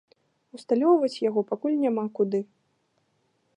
Усталёўваць яго пакуль няма куды.